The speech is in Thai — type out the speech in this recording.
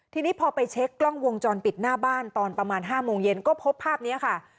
ทีนี้พอไปเช็คกล้องวงจรปิดหน้าบ้านตอนประมาณ๕โมงเย็นก็พบภาพนี้ค่ะ